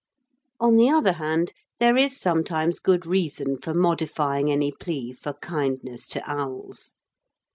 On the other hand, there is sometimes good reason for modifying any plea for kindness to owls.